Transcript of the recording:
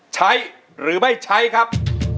ใช้หรือไม่ใช้ครับ